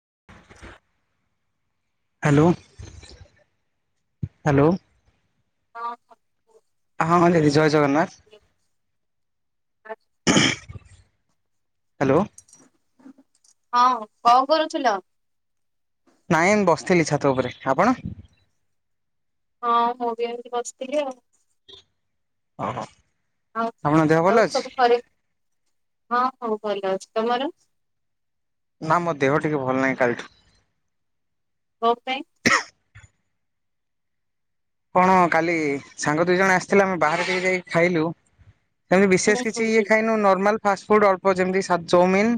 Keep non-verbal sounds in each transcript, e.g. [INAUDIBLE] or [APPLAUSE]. [INAUDIBLE] Hello hello, ହଁ ହଁ ହଁ ଦିଦି ଜୟ ଜଗନ୍ନାଥ ହ୍ୟାଲୋ ହଁ କଣ କରୁଥିଲ? ନାଇଁ ମୁ ବସିଥିଲି ଛାତ ଉପରେ ଆପଣ? ହଁ ମୁଁ ବି ଏମିତି ବସିଥିଲି ଆଉ, ଓ ହୋ, ଆଉ ଆଉ ସବୁ ଘରେ, ହଁ ହଁ ଭଲ ଅଛି ତମର? ନା ମୋ ଦେହ ଟିକେ ଭଲ ନାହିଁ କାଲିଠୁ। କଅଁ ପାଇଁ? କଣ କାଲି ସାଙ୍ଗ ଦୁଇ ଜଣ ଆସିଥିଲା ଆମେ ବାହାରୁ ଟିକେ ଯାଇକି ଖାଇଲୁ ସେମିତି ହୁଁ ବିଶେଷ କିଛି ହୁଁ ଇଏ ହୁଁ ଖାଇନୁ ନର୍ମାଲ ଫାଷ୍ଟଫୁଡ଼୍ ଅଳ୍ପ ଯେମିତି [UNINTELLIGIBLE] ଚଉମିିନ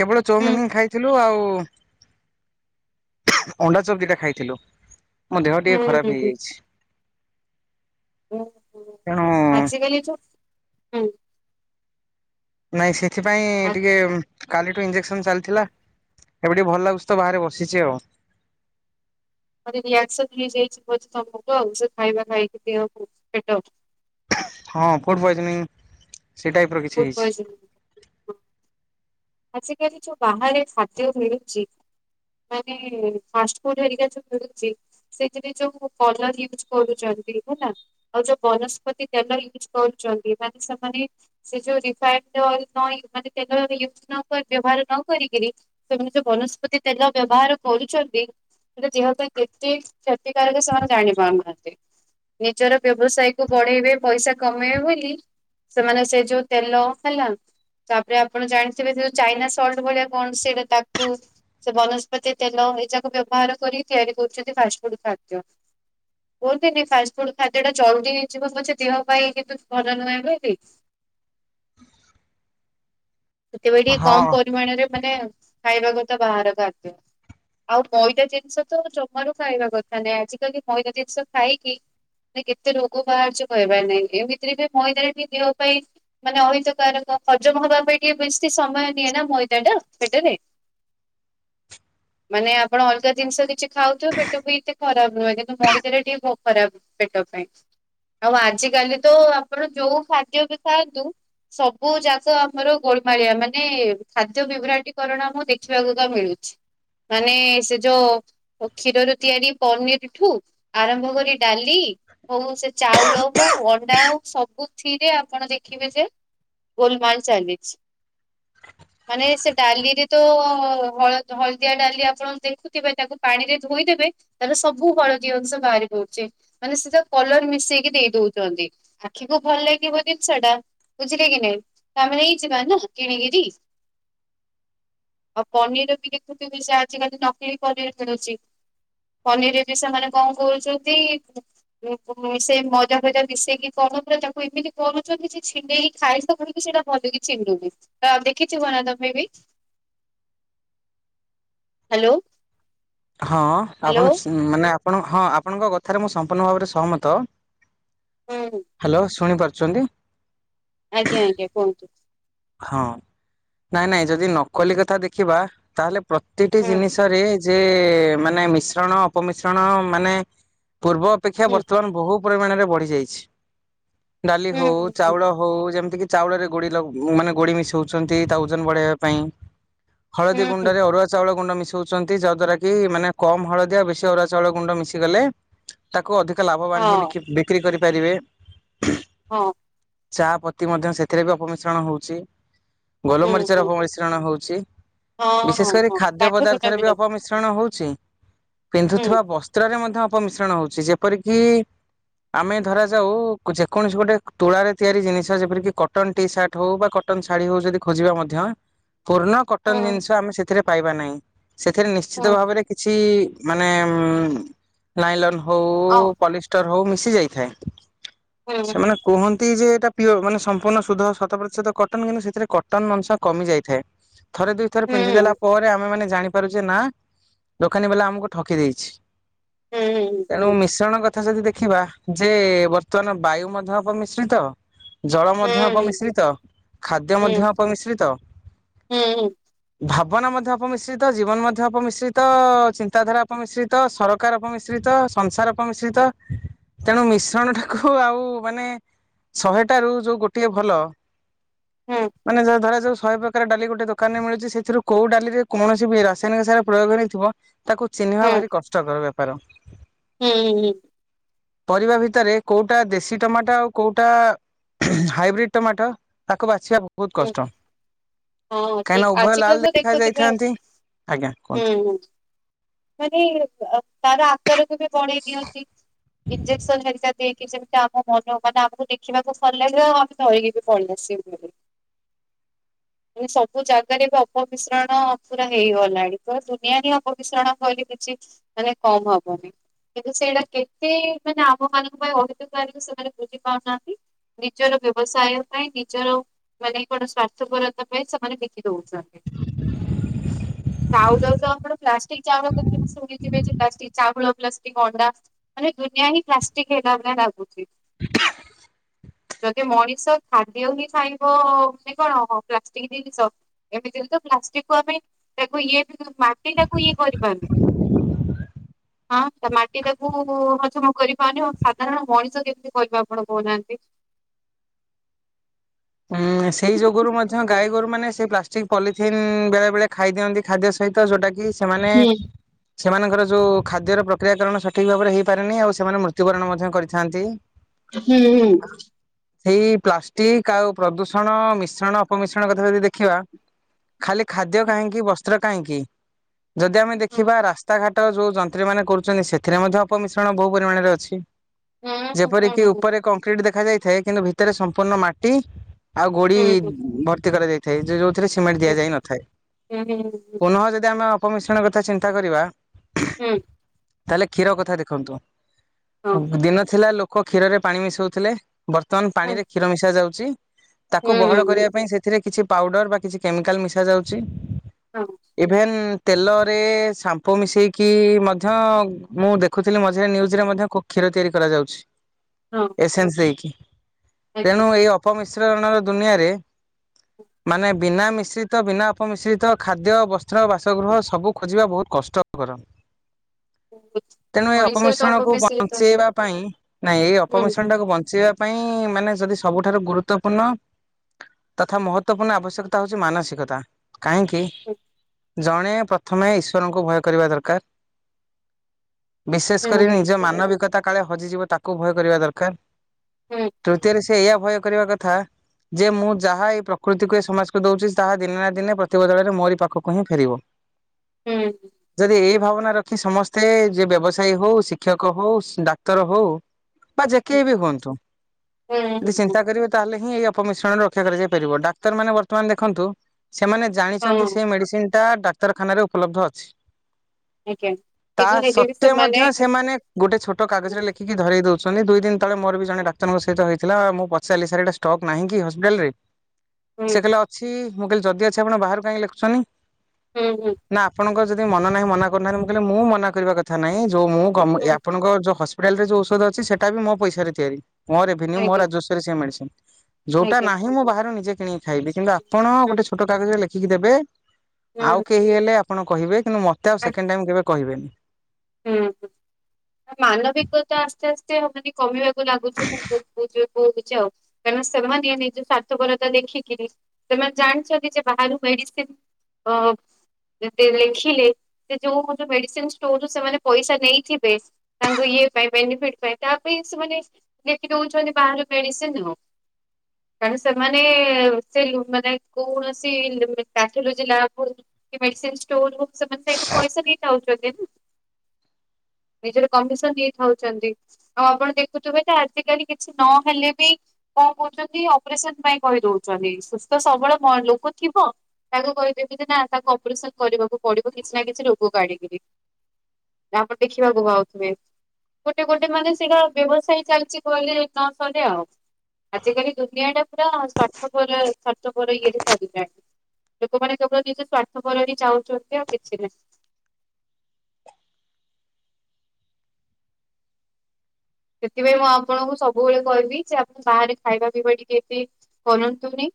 କେବଳ ଚାଉମିନ ହୁଁ ହିଁ ଖାଇଥିଲୁ ଆଉ ଅଣ୍ଡା ଚପ ଦିଟା ଖାଇଥିଲୁ। ମୋ ଦେହ ଟିକେ ହୁଁ ଖରାପ ହେଇଯାଇଚି। ତେଣୁ ଆଜି କାଲି ତ ହୁଁ। ନାଇଁ ସେ ଏଥିପାଇଁ ଆଜି- ଟିକେ କାଲିଠୁ ଇଞ୍ଜ କ୍ସନ ଚାଲିଥିଲା। ଏବେ ଟିକେ ଭଲ ଲାଗୁଛି ତ ବାହାରେ ବସିଛି ଆଉ। ବୋଧେ ରିଆକ୍ସନ ହେଇଯାଇଛି ବୋଧେ ତମକୁ ଆଉ ସେ ଖାଇବା ଖାଇକି ଦେହକୁ ପେଟ ହଁ ଫୁଡ ପଏଜନିଂ। ସେ ଟାଇପ ର କିଛି ଫୁଡ୍ ପଏଜନ ହେଇଛି। ଆଜିକାଲି ଯୋଉ ବାହାରେ ଖାଦ୍ୟ ମିଳୁଛି ମାନେ ଫାଷ୍ଟଫୁଡହେରିକା ଯ ମିଳୁଛି ସେଥିରେ ଯୋଉ କଲର ୟୁଜ କରୁଛନ୍ତି ହେଲା ଆଉ ଯୋଉ ବନସ୍ପତି ତେଲ ୟୁଜ କରୁଛନ୍ତି ମାନେ ସେମାନେ ସେ ଯୋଉ ରିଫାଇନ ଅଏଲ ନହେଇ ମାନେ ତେଲ ଜଉ ୟୁଜ ବ୍ୟବହାର ନ କରିକିରି ସେମାନେ ଯୋଉ ବନସ୍ପତି ତେଲ ବ୍ୟବହାର କରୁଛନ୍ତି ସେଟା ଦେହ ପାଇଁ କେତେ କ୍ଷତିକାରକ ସେମାନେ ଜାଣି ପାରୁନାହାନ୍ତି ନିଜର ବ୍ୟବସାୟ କୁ ବଢେଇବେ ପଇସା କମେଇବେ ବୋଲି ସେମାନେ ସେ ଯୋଉ ତେଲ ହେଲା ତାପରେ ଆପଣ ଜାଣି ଯୋଉ ଚାଇନା ସଲ୍ଟ ଭଳିଆ କଣ ସେଟା ତାକୁ ସେ ବନସ୍ପତି ତେଲ ଏ ଯାକୁ ବ୍ୟବହାର କରିକି ତିଆରି କରୁଛନ୍ତି ଫାଷ୍ଟଫୁଡ ଖାଦ୍ୟ କୁହନ୍ତିି ଫାଷ୍ଟଫୁଡ ଖାଦ୍ୟ ଟା ଜଲଦି ହେଇଯିବ ପଛେ ଦେହ ପାଇଁ କିନ୍ତୁ ଭଲ ନୁହେଁ ବୋଲି। [UNINTELLIGIBLE] ଟିକେ ହଁ କମ ପରିମାଣରେ ମାନେ ଖାଇବା କଥା ବାହାର ଖାଦ୍ୟ ଆଉ ମଇଦା ଜିନିଷ ତ ଜମାରୁ ଖାଇବା କଥା ନାହିଁ ଆଜିକାଲି ମଇଦା ଜିନିଷ ଖାଇକି ମାନେ କେତେ ରୋଗ ବାହାରୁଚି କହିବାର ନାହିଁ ଏମିତିରେ ବି ମଇଦା ବି ଦେହ ପାଇଁ ମାନେ ଅହିତ କାରକ ହଜମ ହବା ପାଇଁ ଟିକେ ବେଶ ସମୟ ନିଏ ନା ମଇଦା ଟା ପେଟରେ ମାନେ ଆପଣ ଅଲଗା ଜିନିଷ କିଛି ଖାଉଥିବ ପେଟ ବି ଏତେ ଖରାପ ନୁହେଁ କିନ୍ତୁ ମଇଦା ଟା ଟିକେ ଖରାପ ପେଟ ପାଇଁ ଆଉ ଆଜିକାଲି ତ ଆପଣ ଯୋଉ ଖାଦ୍ୟ ବି ଖାଆନ୍ତୁ ସବୁ ଯାକ ଆମର ଗୋଲମାଳିଆ ମାନେ ଖାଦ୍ୟ ବିବ୍ରଟିକରଣ ମୁଁ ଦେଖିବାକୁ ତ ମିଳୁଛି ମାନେ ସେ ଯୋଉ କ୍ଷୀରରୁ ତିଆରି ପନିରଠୁ ଆରମ୍ଭ କରି ଡାଲି ହଉ ସେ ଚାଉଳ ହଉ ଅଣ୍ଡା ହଉ ସବୁଥିରେ ଆପଣ ଦେଖିବେ ଯେ ଗୋଲମାଲ ଚାଲିଛି। ମାନେ ସେ ଡାଲିରେ ତ ହଳହଳଦିଆ ଡାଲି ଆପଣ ଦେଖୁଥିବେ ତାକୁ ପାଣିରେ ଧୋଇଦେବେ ତାର ସବୁ ହଳଦୀ ଅଂଶ ବାହରିପଡୁଚି ମାନେ ସେ ତା କଲର ମିଶେଇକି ଦେଇ ଦଉଚନ୍ତି ଆଖିକୁ ଭଲ ଲାଗିବ ଜିନିଷଟା ବୁଝିଲେ କି ନାଇଁ ତାମ [UNINTELLIGIBLE] କିଣିକିରି ଆଉ ପନିର ବି ଦେଖୁଥିବ ସେ ନାକିଲ ମିଳୁଛିରେ ବି ସେମାନେ କଣ କରୁଛନ୍ତି ସେ ମଜା ଫଜା ମିଶେଇକି କଣଥିଲା ତାକୁ ଏମିତି କରୁଛନ୍ତି ଯେ ଛିଣ୍ଡେଇକି ଖାଇଲା ବେଳକୁ ସେଇଟା ଭଲକି ଛିଣ୍ଡୁନି ଦେଖିଥିବନା ତମେ ବି ହ୍ୟାଲୋ? ହଁ ହ୍ୟାଲୋ ଆପଣ [UNINTELLIGIBLE] ମାନେ ଆପଣ ହଁ ଆପଣଙ୍କ କଥାରେ ମୁଁ ସମ୍ପୂର୍ଣ୍ଣ ଭାବରେ ସହମତ। ହୁଁ। ହ୍ୟାଲୋ ଶୁଣିପାରୁ ଛନ୍ତି ଆଜ୍ଞା ଆଜ୍ଞା କୁହନ୍ତୁ ହଁ ନାଇଁ ନାଇଁ ଯଦି ନକଲି କଥା ଦେଖିବା ତାହେଲେ ପ୍ରତିଟି ହୁଁ ଜିନିଷରେ ଯେ ମାନେ ମିଶ୍ରଣ ଅପମିଶ୍ରଣ ମାନେ ପୂର୍ବ ଅପେକ୍ଷା ହୁଁ ବର୍ତ୍ତମାନ ବହୁ ପରିମାଣରେ ବଢି ଯାଇଛି। ଡାଲି ହୁଁ ହଉ ହୁଁ ଚାଉଳ ହଉ ଯେମିତି କି। ଚାଉଳରେ ଗୋଡ଼ି ଲାଗୁ। ମାନେ ଗୋଡି ମିଶଉଛନ୍ତି ତା ଓଜନ ବଢେଇବା ପାଇଁ। ହୁଁ ହଳଦୀ ହୁଁ ହୁଁ ଗୁଣ୍ଡରେ ଅରୁଆ ଚାଉଳ ଗୁଣ୍ଡ ମି ମିଶଉଛନ୍ତି ଯା ଦ୍ଵାରା କି ମାନେ କମ ହଳଦିଆ ବେଶୀ ଅରୁଆ ଚାଉଳ ଗୁଣ୍ଡ ମିଶିଗଲେ ତା ତାକୁ ଅଧିକ ଲାଭବାନ ହେଇ ହଁ ବି ବିକ୍ରି କରି ପାରିବେ। ହଁ। ଚା ପତି ମଧ୍ୟ ସେଥିରେ ବି ଅପ ମିଶ୍ରଣ ହଉଚି। ହୁଁ ଗୋଲମରିଚରେ ହୁଁ ଅପମିଶ୍ରଣ ହଉଛି ହଁ ହଁ ବିଶେଷ କରି ହଁ ଖାଦ୍ୟ କାଠ କୁଟା ପଦାର୍ଥରେ ବି ରଖ ଅପମିଶ୍ରଣ ହଉଛି। ହୁଁ ପିନ୍ଧୁଥିବା ବସ୍ତ୍ରରେ ମଧ୍ୟ। ଅପମିଶ୍ରଣ ହଉଛି ଯେପରିକି ଆମେ ଧରାଯାଉ ଯେକୌଣସି ଗୋଟେ ତୁଳାରେ ତିଆରି ଜିନିଷ ଯେପରିକି କଟନ ଟି ସାର୍ଟ। ହଉ ବା କଟନ ଶାଢୀ ହଉ ଯଦି ଖୋଜିବା ମଧ୍ୟ। ପୁରୁଣା କଟନ ହୁଁ ଜିନିଷ ଆମେ ସେଥିରେ। ପାଇବା ନାଇଁ। ସେଥିରେ ନିଶ୍ଚିତ ହୁଁ ଭାବରେ କିଛି। ମାନେ ଉମ ଲାଇଲନ୍। ହଉ ଅ ପଲିଷ୍ଟର ହଉ ମି ମିଶି ଯାଇଥାଏ। ହୁଁ ହୁଁ ସେମାନେ କୁହନ୍ତି ଯେ ଏଇଟା ପିଓ ମାନ ସମ୍ପୂର୍ଣ୍ଣ ସୁଧ ସ ପ୍ରତିଶତ କଟନ କିନ୍ତୁ ସେଥିରେ କଟନ ଅଂଶ କମି ଯାଇଥାଏ। ଥରେ ଦୁଇଥର ପିନ୍ଧିଦେଲା ହୁଁ ପରେ ଆମେ ମାନେ ଜାଣି ପାରୁଛେ ନା ଦୋକାନୀବାଲା ଆମକୁ ଠକି ଦେଇଛି। ହୁଁ ତେଣୁ ହୁଁ ମିଶ୍ରଣ କ ତଥା ଯଦି ଦେଖିବା ଯେ-ଏ-ଏ ବର୍ତ୍ତମାନ ବାୟୁ ମଧ୍ୟ ଅପମିଶ୍ରିତ ଜଳ ମଧ୍ୟ ହୁଁ ଅପମିଶ୍ରି ତ ଖାଦ୍ୟ ହୁଁ ହୁଁ ମଧ୍ୟ ଅପମିଶ୍ରିତ ହୁଁ ଭାବ ଭାବନା ମଧ୍ୟ ଅପମିଶ୍ରିତ, ଜୀବନ ମଧ୍ୟ ଅପମିଶ୍ରିତ-ଅ-ଅ-ଅ, ଚିନ୍ତାଧାରା ଅପମିଶ୍ରିତ, ସରକାର ଅପମିଶ୍ରିତ, ସଂସାର ଅପମିଶ୍ରିତ, ତେଣୁ ମିଶ୍ରଣଟାକୁ ଆଉ ମାନେ ଶହେଟାରୁ ଯୋଉ ଗୋଟିଏ ଭଲ ହୁଁ ମାନେ ଯ ଧରା ଯାଉ ଶହେ ପ୍ରକାର ଡାଲି ଗୋଟେ ଦୋକାନରେ ମିଳୁଛି। ସେଥିରୁ କୋଉ ଡାଲିରେ କୌଣସି ବି ରାସାୟନିକ ସାର ପ୍ରୟୋଗ ହେଇ ନଥିବ ତାକୁ ଚିହ୍ନିବା ହୁଁ ଭାରି କଷ୍ଟ କର ବେ ପାର। ହୁଁ ହୁଁ। ପରିବା ଭିତରେ କୋଉଟା ଦେଶୀ ଟମାଟୋ ଆଉ କୋଉଟା ହାଇବ୍ରିଡ ଟମାଟୋ ତାକୁ ବା ସେୟା ବହୁତ କଷ୍ଟ। ହଁ କାହିଁକିନା ଠିକ ଉଭୟ ଲାଲ ଆଜିକାଲି ତ ଦେଖା ଦେଖୁଥିବେ ଯାଇଥାନ୍ତି ଆଜ୍ଞା ହୁଁ କୁହନ୍ତୁ। ହଁ ମାନେ ତା ତାର ଆକାରକୁ ବି ବଢେଇ ଦିଅନ୍ତି ଇଞ୍ଜେକ୍ସନ ହେରିକା ଦେ ଇକି ଯେମିତି ଆମ ମନେ ହ ମାନ ଆମକୁ ଦେଖିବାକୁ ଭଲ ଲାଗିବ ଆଉ ଆମେ ଧରକି ବି ପଲେଇ ଆସିବୁ ସବୁ ଜାଗାରେ ବି ଅପମିଶ୍ରଣ ପୁରା ହେଇଗଲାଣି ତ ଦୁନିଆରେ ଅପମିଶ୍ରଣ କହିଲେ କିଛି ମାନେ କମ ହବନି। କିନ୍ତୁ ସେଇଟା କେତେ ମାନେ ଆମ ମାନଙ୍କ ପାଇଁ ଅହିତ କାର ସେମାନେ ବୁଝିପାରୁନାହାନ୍ତି। ନିଜର ବ୍ୟବସାୟ ପାଇଁ ନିଜର ମାନେ କଣ ସ୍ଵାର୍ଥପର ପାଇଁ ସେମାନେ ବିକି ଦଉଛନ୍ତି ଯାଉ ଯାଉ ତ ଆପଣ ପ୍ଲାଷ୍ଟିକ ଚାଉଳକୁ ବି ଶୁଣିଥିବେ ଯେ ପ୍ଲାଷ୍ଟିକ ଚାଉଳ ପ୍ଳାଷ୍ଟିକ୍ ଅଣ୍ଡା ମାନେ ଦୁନିଆ ହିଁ ପ୍ଲାଷ୍ଟିକ ହେଲା ଭଳିଆ ଲାଗୁଛି। ଯଦି ମଣିଷ ଖାଦ୍ୟ ହିଁ ଖାଇବ-ଅ-ଅ-ଅ ବୋଲି କଣ ହ ପ୍ଲାଷ୍ଟିକ ଜିନିଷ ଏମତି ଜି ପ୍ଲାଷ୍ଟିକ କୁ ଆମେ ତାକୁ ଇଏ ବି ମାଟି ଟାକୁ ଇଏ କରିପାରୁନି। ହଁ ତା ମାଟି ତାକୁ-ଉ-ଉ-ଉ ହଜମ କରିପାରୁନି ଆଉ ସାଧାରଣ ମଣିଷ କେମତି କରିବା ଆପଣ କହୁନାହାନ୍ତି। ଏ-ଏ-ଏ ସେଇ ଯୋଗୁରୁ ମଧ୍ୟ ଗାଈଗୋରୁ ମାନେ ସେ ପ୍ଲାଷ୍ଟିକ ପଲିଥିନ୍ ବେଳେ ବେଳେ ଖାଇ ଦିଅନ୍ତି ଖାଦ୍ୟ ସହିତ ଯୋଉଟାକି କି ସେମାନେ ହୁଁ ସେମାନଙ୍କର ଯୋଉ ଖାଦ୍ୟର ପ୍ରକ୍ରିୟାକରଣ ସଠିକ ଭାବରେ ହେଇପାରେନି। ଆଉ ସେମାନେ ମୃତ୍ୟୁବରଣ ମଧ୍ୟ କରିଥାଆନ୍ତି। ହେଇ ପ୍ଲାଷ୍ଟିକ କାଉ ପ୍ରଦୂଷଣ ମିଶ୍ରଣ ଅପମିଶ୍ରଣ କଥା ଯଦି ଦେଖିବା ଖାଲି ଖାଦ୍ୟ କାହିଁକି ବସ୍ତ ଚିତ୍ର କାହିଁକି? ଯଦି ଆମେ ଦେଖିବା ରାସ୍ତାଘାଟ ଯୋଉ ଯନ୍ତ୍ରୀ ମାନେ କରୁଛନ୍ତି ସେଥିରେ ମଧ୍ୟ ଅପମିଶ୍ରଣ ବହୁ ପରିମାଣରେ ଅଛି। ହୁଁ ଯେପରିକି ଉପରେ କଂକ୍ରିଟ ଦେଖାଯାଇ ଥାଏ କିନ୍ତୁ ଭିତରେ ସମ୍ପୂର୍ଣ୍ଣ ମା ଇ। ଆଉ ଗୋଡି ଭର୍ତି କରାଯାଇ। ସେଇ ଯେ ଯଉ। ଏଥିରେ ସିମେଣ୍ଟ ଦିଆଯାଇନଥାଏ ପୁନଃ ଯଦି ଆମେ ଅପମିଶ୍ରଣ କଥା ଚିନ୍ତା କରିବା। ତାହେଲେ କ୍ଷୀର କଥା ଦେଖନ୍ତୁ। ଉ ଦିନ ଥିଲା ଲୋକ କୁଅ କ୍ଷୀରରେ ପାଣି ମିଶଉଥିଲେ। ବର୍ତ୍ତମାନ ପାଣିରେ କ୍ଷୀର ମିଶା ଯାଉଚି। ସେଇ। ତାକୁ ବହଳ କରିବା ପାଇଁ ସେଥିରେ କିଛି ପାଉଡ଼ର୍ ବା କିଛି କେମିକାଲ୍ ମିଶା ଯାଉଛି। ହୁଁ। ଇଭେନ୍, ତେଲରେ ସାମ୍ପୁ ମିଶେଇକି ମଧ୍ୟ ମୁଁ ଦେଖୁଥିଲି ମଝିରେ ନ୍ୟୁଜ୍ ରେ ମଧ୍ୟ କ୍ଷୀର ତିଆରି କରାଯାଉଛି। ଏସେନ୍ସ ସେଇକି। ତେଣୁ ଏଇ ଅପମିଶ୍ରଣର ଦୁନିଆରେ ମାନେ ବିନା ମିଶ୍ରିତ ବିନା ଅପମିଶ୍ରିତ ଖାଦ୍ୟ ବସ୍ତ୍ର ବାସଗୃହ ସବୁ ଖୋଜିବା ବହୁତ କଷ୍ଟକର। ତେଣୁ ଏଇ ମଣିଷ ତ ଅପମିଶ୍ରଣ କୁ ଅପମିଶ୍ରିତ ହୁଁ ବଞ୍ଚେଇବା ପାଇଁ ନାଇଁ ଏଇ ଅପମିଶ୍ରଣ ଟାକୁ ବଞ୍ଚେଇବା ପାଇଁ ମାନେ ଯଦି ସବୁ ଠାରୁ ଗୁରୁତଵପୂର୍ଣ୍ଣ ତଥା ମହଵପୂର୍ଣ୍ଣ ଆବଶ୍ୟକତା ହଉଛି ମାନସିକତା। କାହିଁକି? ଜଣେ ପ୍ରଥମେ ଈଶ୍ୱରଙ୍କୁ ଭୟ କରିବା ଦରକାର। ବିଶେଷ ହୁଁ ହୁଁ କରି ନିଜ ମାନବିକତା କାଳେ ହଜିଯିବ ତାକୁ ଭୟ କରିବା ଦରକାର। ହୁଁ ତୃତିୟ ରେ ସେ ଏଇଆ ଭୟ କ କରିବା କଥା ଯେ ମୁଁ ଯାହା ଏଇ ପ୍ରକୃତିକୁ ଏ ସମାଜକୁ ଦଉଛି ତାହା ଦିନେ ନା ଦିନେ ପ୍ରତିବଦଳରେ ମୋରି ପାଖକୁ ହିଁ ଫେରିବ। ହୁଁ ଯଦି ଏଇ ଭାବନା ରଖି ସମସ୍ତେ ଯେ ବ୍ୟବସାୟୀ ହଉ ଶିକ୍ଷକ ହଉ ଡାକ୍ତର ହଉ ବା ହୁଁ ଯେକେହି ବି ହୁଅନ୍ତୁ ବିସେସ ହୁଁ ତାହେଲେ ହଁ ଅପମିଶ୍ରଣରେ ରକ୍ଷା କରାଯାଇ ପାରିବ ଡାକ୍ତର ମେ ବର୍ତ୍ତମାନ ଦେଖନ୍ତୁ ସେମାନେ ହଁ ଜାଣିଛନ୍ତି ସେ ମେଡିସିନ ଏଟା ଡାକ୍ତରଖାନ ଉପଲବ୍ଧ ଅଛି। ଆଜ୍ଞା ତା କିନ୍ତୁ ହେଲେ ବି ସତ୍ୱେ ମଧ୍ୟ ସେମାନେ ସେମାନେ ଗୋଟେ ଛୋଟ ହୁଁ କାଗଜରେ ଲେଖିକି ଧରେଇ ଦଉଛନ୍ତି ଛନ୍ତି ଦୁଇ ଦିନ ତଳେ ମୋର ବି ଜଣେ ଡାକ୍ତରଙ୍କ ସହିତ ହେଇଥିଲା ମୁଁ ପ ଚାରିଲି ସାର୍ ଏଇଟା ଷ୍ଟକ୍ ନାହିଁ କି ହସ୍ପିଟାଲ ରେ? ହୁଁ ସେ କହିଲେ ଅଛି। ମୁଁ କାଲି ଯଦି ଅଛି ଆପଣ ବାହାରୁ କାଇଁ ଲେଖୁଛନ୍ତି? ହୁଁ ହୁଁ ନା ଆପଣଙ୍କର ଯଦି ମନ ନାହିଁ ମନା କରୁନାହାନ୍ତି ମୁଁ କହିଲି ମୁଁ ମନା କରିବା କଥା ନାହିଁ। ଯଉ ମୁଁ ଗମେଣ୍ଟ୍ ମୁଁ ହୁଁ ଆଣଙ୍କର ଯଉ ହସ୍ପି ହସ୍ପିଟାଲ୍ ରେ ଯୋଉ ଔଷଧ ଅଛି ସେଟା ବି ମୋ ପଇସାରେ ତିଆରି। ମୋର ରେଭିନ୍ୟୁ ମୋ ଆଜ୍ଞା ରାଜ୍ୟସ୍ୱ। ସେ ମେଡିସିନ୍ ଯୋଉଟା ଆଜ୍ଞା ନାହିଁ ମୁଁ ବାହାରୁ ନିଜେ କିଣିକି ଖାଇଲି କିମ୍ବା ଆପଣ ହୁଁ ଗୋଟେ ଛୋଟ କାଗଜ ରେ ଲେଖି ଦେଖିକି ଦେବେ। ଆଉ ହୁଁ କେହି ହେଲେ ଆପଣ କହିବେ। କିନ୍ତ ମତେ ଆ ସେକଣ୍ଡ ଟାଇମ୍ କେବେ କହିବେନି। ହୁଁ ହୁଁ। ମାନବିକତା ଆସ୍ତେ ଆସ୍ତେ ମାନେ କମିବ ଲାଗୁଛି ମୁଁ [UNINTELLIGIBLE] [UNINTELLIGIBLE] କାରଣ ସେମାନେ ନିଜ ସାର୍ଥପରତା ଦେଖିକରି ସେମାନେ ଜାଣିଛନ୍ତି ଯେ ବାହାରୁ ମେଡିସିନ ଅ ଲେଖିଲେ ଯୋଉ ମେଡିସିନ ଷ୍ଟୋରରୁ ସେମାନେ ପଇସା ନେଇଥିବେ। ତାଙ୍କ ଇଏ ପାଇଁ ବେନିଫିଟ ପାଇଁ ତା ପାଇଁ ସେମାନେ ଲଖି ଦଉଛନ୍ତି ବାହର ମେଡିସିନ ଆଉ କାରଣ ସେମାନେ ସେ [UNINTELLIGIBLE] ମାନେ କୌଣସି ଲ [UNINTELLIGIBLE] ପେଥୋଲୋଜି ଲ୍ୟାବ୍ ହଉ ମେଡିସିନ ଷ୍ଟୋର ହଉ ସେମାନେ ସେଠୁ ପଇସା ନେଇ ପଳଉଛନ୍ତି ନା। କମିଶନ ଦେଇଥାଉଛନ୍ତି ଆଉ ଆପଣ ଦେଖୁଥିବେ ତ ଆଜିକାଲି କିଛି ନହେଲେ ବି କଣ କହୁଛନ୍ତି ଅପରେସନ ପାଇଁ କହିଦଉଛନ୍ତି ସୁସ୍ଥ ସବୁବେଳେ ଲୋକ ଥିବ ତାକୁ କହିଦେବ ଯେ ନା ତାକୁ ଅପରେସନ କରିବାକୁ ପଡିବ କିଛି ନା କିଛି ରୋଗ କାଢଡିକିରି ଆପଣ ଦେଖିବାକୁ ଭଉ ଗୋଟେ ଗୋଟେ ମାନେ ସେଇଗା ବ୍ୟବସାୟୀ ଚାଲିଛି କହିଲେ ନ ସଲେ ଆଉ ଆଜିକାଲି ଦୁନିଆ ଟା ପୁରା ସ୍ଵାର୍ଥପର ସ୍ଵାର୍ଥପର ଇଏରେ ଚାଲିଥାନ୍ତି ଲୋକମାନେ କେବଳ ନିଜ ସ୍ଵାର୍ଥପର ହି ଚାହୁଛନ୍ତି ଆଉ କିଛି ନାହିଁ। ସେଥିପାଇଁ ହଁ ମୁଁ ଆପଣଙ୍କୁ ସବୁବେଳେ କହିବି ଯେ ଆପଣ ବାହାରେ ଖାଇବା ପିଇବା ଟିକେ ଏତେ କରନ୍ତୁନି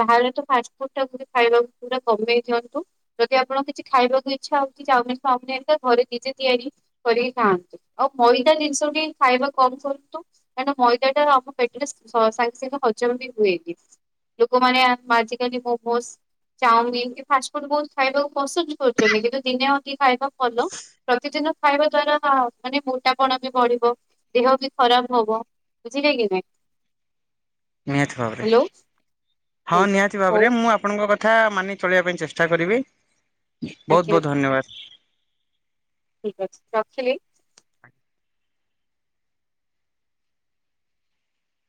ବାହାରେ ତ ଫାଷ୍ଟଫୁଡ ଟା ଖାଇବାକୁ ପୁରା କମେଇ ଦିଅନ୍ତୁ ଯଦି ଆପଣ କିଛି ଖାଇବାକୁ ଇଛା ହଉଛି ଚାଉମିନ ଫାଉମିନି ହେରିକା ଘରେ ନିଜେ ତିଆରି କରିକି ଖାଆନ୍ତୁ ଆଉ ମଇଦା ଜିନିଷ ବି ଖାଇବା କମ କରନ୍ତୁ କାରଣ ମଇଦାଟା ଆମ ପେଟରେ ସାଙ୍ଗେ ସାଙ୍ଗେ ହଜମ ବି ହୁଏନି ଲୋକମାନେ ଆଜିକାଲି ମୋମୋଜ ଚାଉମିିନ ଏ ଫାଷ୍ଟଫୁଡ ବହୁତ ଖାଇବାକୁ ପସନ୍ଦ କରୁଛନ୍ତି କିନ୍ତୁ ଦିନେ ଦ ଖାଇବା ଭଲ ପ୍ରତିଦିନ ଖାଇବା ଦ୍ଵାରା ହ ମାନେ ମୋଟାପଣ ବି ବଢିବ। ଦେହ ବି ଖରାପ ହବ ବୁଝିଲେ କି ନାଇଁ। ନିହାତି ଭାବରେ। ହ୍ୟାଲୋ ହଁ ସେଇଟା ନିହାତି ହଉ ଭାବରେ ମୁଁ ଆପଣଙ୍କ କଥା କଥା ମାନି ଚଳିବା ପାଇଁ ଚେଷ୍ଟା କରିବି। ବହୁତ ଆଜ୍ଞା ବହୁତ ଧନ୍ୟବାଦ। ଠିକ ଅଛି ରଖିଲି।